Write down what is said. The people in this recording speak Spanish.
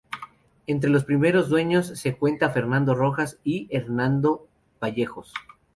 Entre los primeros dueños se cuenta a Fernando Rojas y Hernando Vallejos.